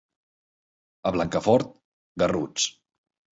A Blancafort, garruts.